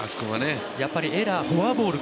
やっぱりエラー、フォアボール